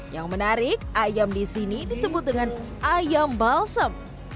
yang menarik ayam di sini disebut dengan ayam balsem